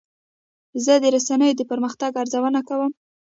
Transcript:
زه د رسنیو د پرمختګ ارزونه کوم.